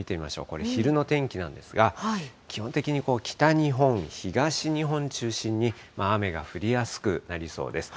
これ昼の天気なんですが、基本的に北日本、東日本を中心に、雨が降りやすくなりそうです。